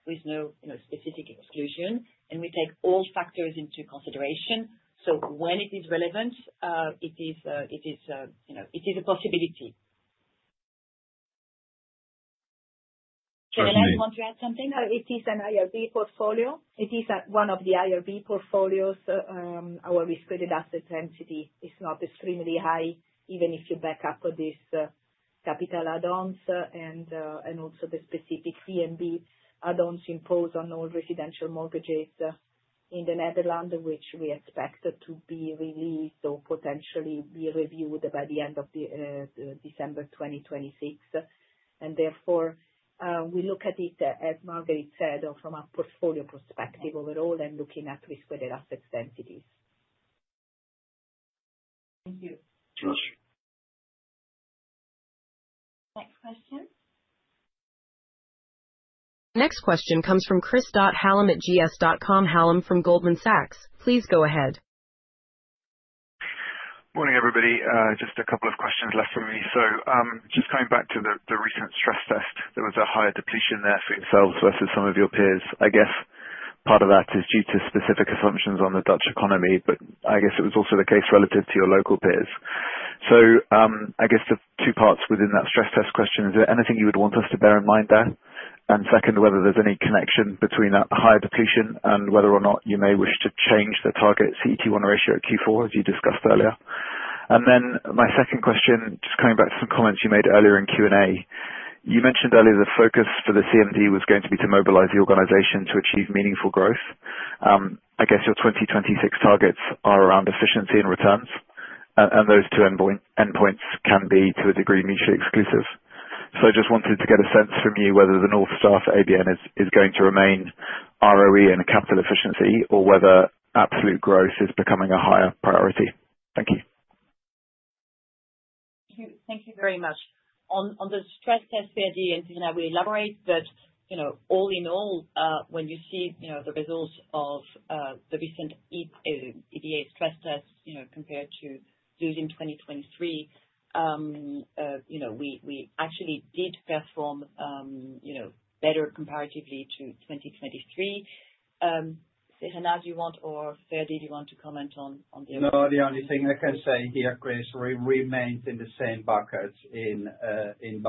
with no specific exclusion, and we take all factors into consideration. When it is relevant, it is a possibility. Serena, you want to add something? It is an IRB portfolio. It is one of the IRB portfolios. Our risk-weighted asset density is not extremely high, even if you back up with these capital add-ons. Also, the specific VMB add-ons imposed on all residential mortgages in the Netherlands, which we expect to be released or potentially be reviewed by the end of December 2026. Therefore, we look at it, as Marguerite said, from our portfolio perspective overall and looking at risk-weighted asset densities. Next question comes from chris.halem@gs.com. Halem from Goldman Sachs. Please go ahead. Morning, everybody. Just a couple of questions left for me. Just coming back to the recent stress test, there was a higher depletion there for yourselves versus some of your peers. I guess part of that is due to specific assumptions on the Dutch economy, but I guess it was also the case relative to your local peers. The two parts within that stress test question, is there anything you would want us to bear in mind there? Second, whether there's any connection between that higher depletion and whether or not you may wish to change the target CET1 ratio at Q4, as you discussed earlier. My second question, just coming back to some comments you made earlier in Q&A, you mentioned earlier the focus for the CMD was going to be to mobilize the organization to achieve meaningful growth. I guess your 2026 targets are around efficiency and returns, and those two endpoints can be, to a degree, mutually exclusive. I just wanted to get a sense from you whether the North Star for ABN is going to remain ROE and capital efficiency, or whether absolute growth is becoming a higher priority. Thank you. Thank you very much. On the stress test, Sergi and Serena, we elaborate that, you know, all in all, when you see the results of the recent EDA stress test, compared to June 2023, we actually did perform better comparatively to 2023. Serena, do you want, or Sergi, do you want to comment on the other? No, the only thing I can say is that it remains in the same bucket, in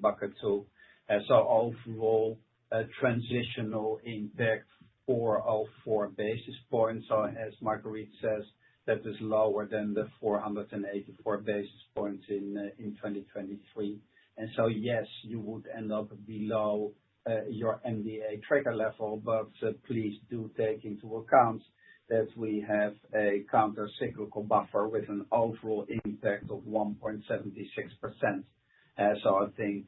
bucket two. Overall, transitional impact 404 basis points. As Marguerite says, that is lower than the 484 basis points in 2023. Yes, you would end up below your MDA tracker level, but please do take into account that we have a countercyclical buffer with an overall impact of 1.76%. I think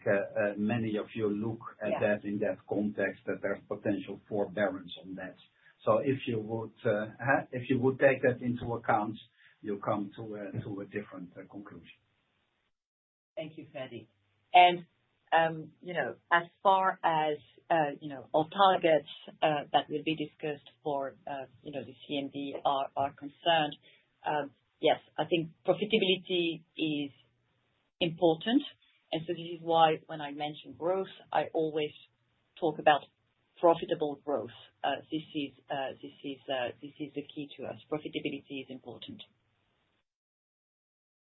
many of you look at that in that context, that there's potential for bearings in that. If you would take that into account, you come to a different conclusion. Thank you, Sergi. As far as our targets that will be discussed for the CMD are concerned, yes, I think profitability is important. This is why when I mention growth, I always talk about profitable growth. This is the key to us. Profitability is important.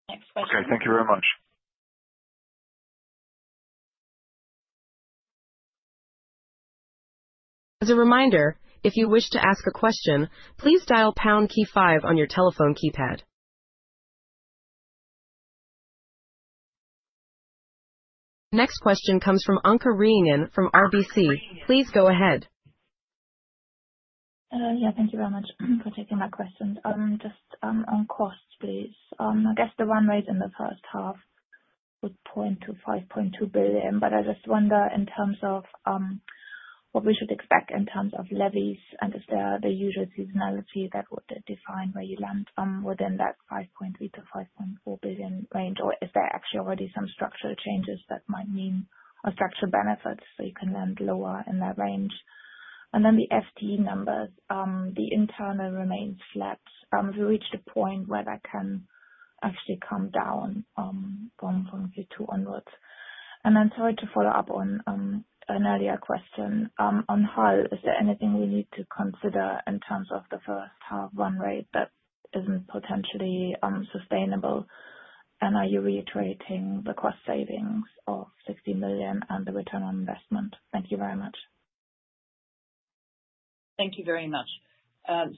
Next question. Okay, thank you very much. As a reminder, if you wish to ask a question, please dial the pound key five on your telephone keypad. Next question comes from Anke Reingen from RBC. Please go ahead. Thank you very much for taking that question. Just on cost, please. I guess the run rate in the first half would point to 5.2 billion, but I just wonder in terms of what we should expect in terms of levies and is there the usual seasonality that would define where you land within that 5.3 billion-5.4 billion range, or is there actually already some structural changes that might mean or structural benefits so you can land lower in that range? The FTE numbers, the internal remains flat. Have you reached a point where that can actually come down from Q2 onwards? I'm sorry to follow up on an earlier question. On HAL, is there anything we need to consider in terms of the first half run rate that isn't potentially sustainable? Are you reiterating the cost savings of 60 million and the return on investment? Thank you very much. Thank you very much. Yes,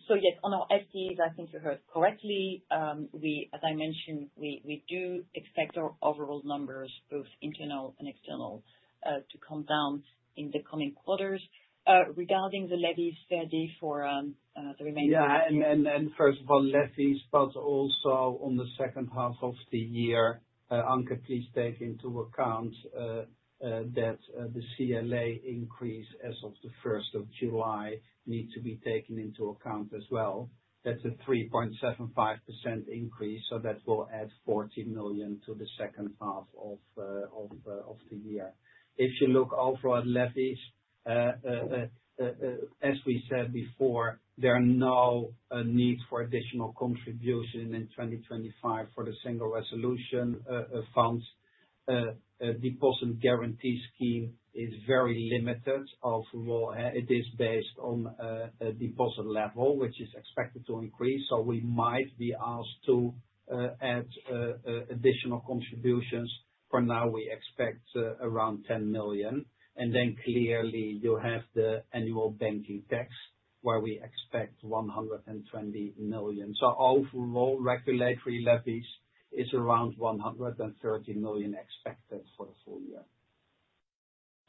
on our FTEs, I think you heard correctly. As I mentioned, we do expect our overall numbers, both internal and external, to come down in the coming quarters. Regarding the levies, Sergi, for the remainder. Yeah, and then first of all, levies, but also on the second half of the year, Anke, please take into account that the CLA increase as of the 1st of July needs to be taken into account as well. That's a 3.75% increase. That will add 40 million to the second half of the year. If you look over at levies, as we said before, there are no needs for additional contribution in 2025 for the single resolution funds. The deposit guarantee scheme is very limited. Overall, it is based on a deposit level, which is expected to increase. We might be asked to add additional contributions. For now, we expect around 10 million. Clearly, you have the annual banking tax where we expect 120 million. Overall, regulatory levies is around 130 million expected for the full year.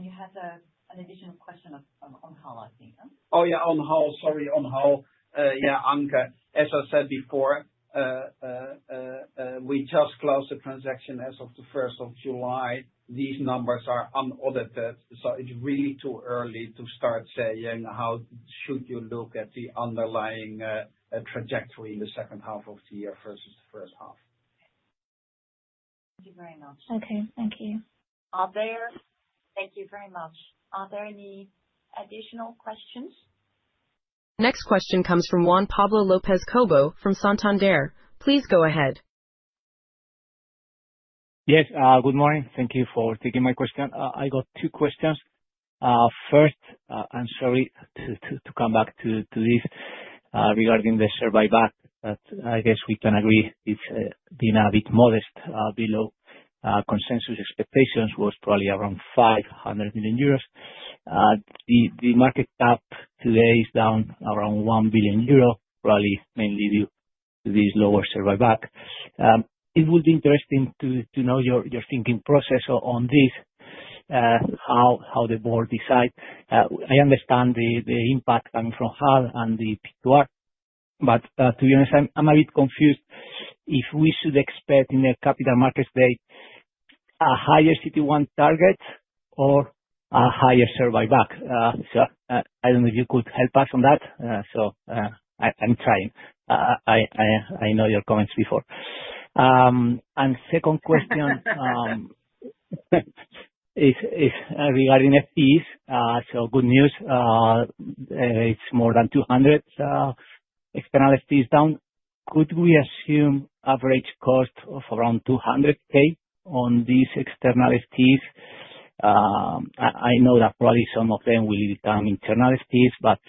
You had an additional question on HAL, I think. Yeah, on HAL. Sorry, on HAL. Yeah, Anke, as I said before, we just closed the transaction as of the 1st of July. These numbers are unaudited. It's really too early to start saying how should you look at the underlying trajectory in the second half of the year versus the first half. Thank you very much. Okay, thank you. Thank you very much. Are there any additional questions? Next question comes from Juan Pablo López Cobo from Santander. Please go ahead. Yes. Good morning. Thank you for taking my question. I got two questions. First, I'm sorry to come back to this regarding the share buyback, but I guess we can agree it's been a bit modest, below consensus expectations, was probably around 500 million euros. The market cap today is down around 1 billion euro, probably mainly due to this lower share buyback. It would be interesting to know your thinking process on this, how the board decides. I understand the impact coming from HAL and the P2R, but to be honest, I'm a bit confused if we should expect in a capital markets date a higher CET1 target or a higher share buyback. I don't know if you could help us on that. I know your comments before. My second question is regarding FTEs. Good news, it's more than 200 external FTEs down. Could we assume an average cost of around 200,000 on these external FTEs? I know that probably some of them will become internal FTEs, but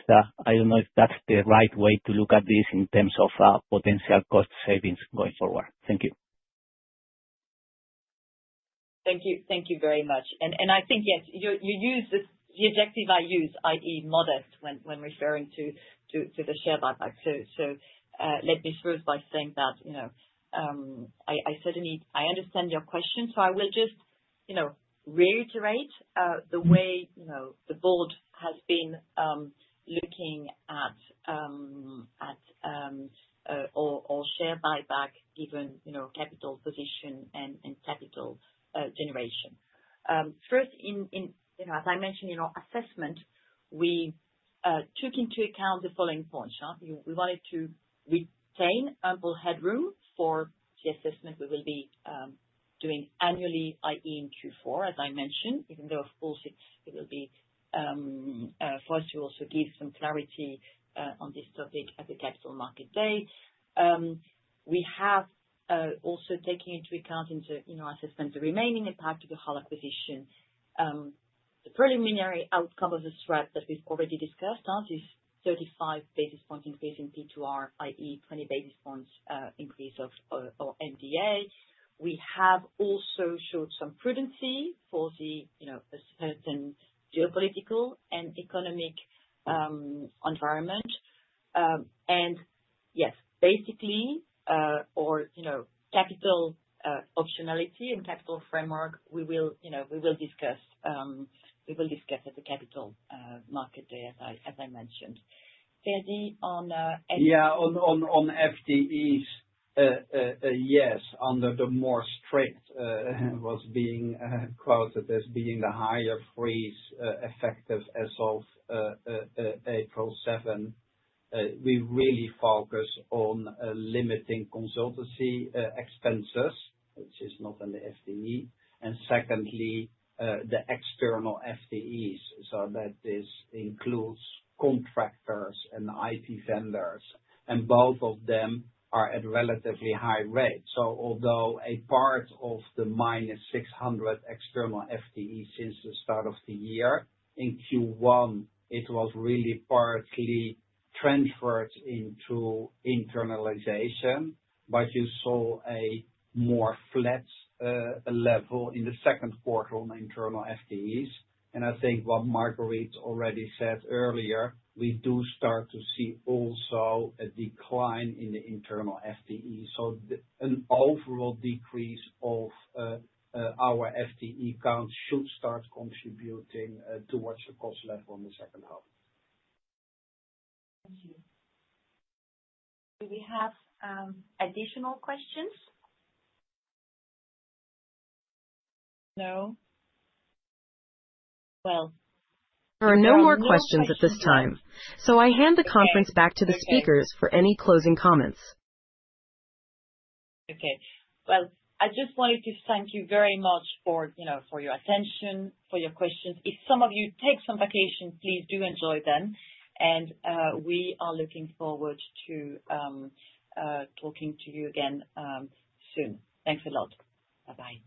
I don't know if that's the right way to look at this in terms of potential cost savings going forward. Thank you. Thank you. Thank you very much. I think, yes, you use the adjective I use, i.e., modest, when referring to the share buyback. Let me close by saying that I certainly understand your question. I will just reiterate the way the board has been looking at all share buyback, even capital position and capital generation. First, as I mentioned, in our assessment, we took into account the following points. We wanted to retain ample headroom for the assessment we will be doing annually, i.e., in Q4, as I mentioned, even though, of course, it will be for us to also give some clarity on this topic at the capital market day. We have also taken into account in our assessment the remaining impact of the HAL acquisition. The preliminary outcome of the SREP that we've already discussed is 35 basis point increase in P2R, i.e., 20 basis points increase of MDA. We have also showed some prudency for a certain geopolitical and economic environment. Yes, basically, our capital optionality and capital framework, we will discuss at the capital market day, as I mentioned. Sergi on FT? Yeah, on FTEs, yes, under the more strict was being quoted as being the higher freeze effective as of April 7. We really focus on limiting consultancy expenses, which is not in the FTE. Secondly, the external FTEs, so that includes contractors and IT vendors. Both of them are at a relatively high rate. Although a part of the -600 external FTE since the start of the year, in Q1, it was really partly transferred into internalization. You saw a more flat level in the second quarter on the internal FTEs. I think what Marguerite already said earlier, we do start to see also a decline in the internal FTE. An overall decrease of our FTE accounts should start contributing towards the cost level in the second half. Thank you. Do we have additional questions? No? There are no more questions at this time. I hand the conference back to the speakers for any closing comments. Okay. I just wanted to thank you very much for your attention, for your questions. If some of you take some vacation, please do enjoy them. We are looking forward to talking to you. Thank you for listening. Bye bye.